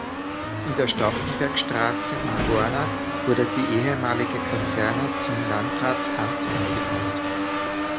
In der Stauffenbergstraße in Borna wurde die ehemalige Kaserne zum Landratsamt umgebaut.